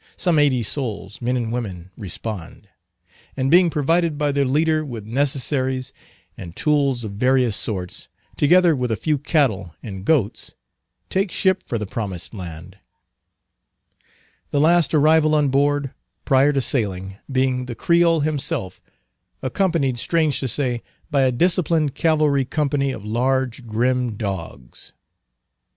Some eighty souls, men and women, respond; and being provided by their leader with necessaries, and tools of various sorts, together with a few cattle and goats, take ship for the promised land; the last arrival on board, prior to sailing, being the Creole himself, accompanied, strange to say, by a disciplined cavalry company of large grim dogs.